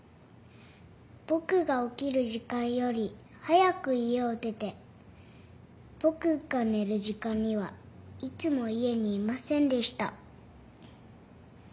僕が起きる時間より早く家を出て僕が寝る時間にはいつも家にいませんでした。